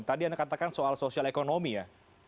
tadi anda katakan soal sosial ekonomi ya